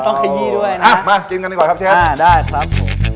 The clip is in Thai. ขยี้ด้วยนะมากินกันดีกว่าครับเชฟอ่าได้ครับ